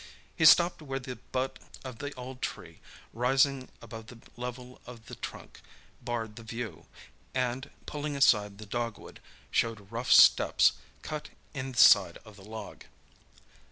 He stopped where the butt of the old tree, rising above the level of the trunk, barred the view, and pulling aside the dogwood, showed rough steps, cut in the side of the log.